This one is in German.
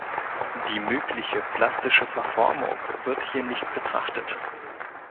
Die mögliche plastische Verformung wird hier nicht betrachtet.